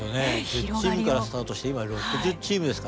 １０チームからスタートして今は６０チームですからね。